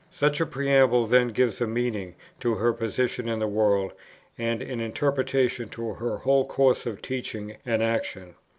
Such a preamble then gives a meaning to her position in the world, and an interpretation to her whole course of teaching and action.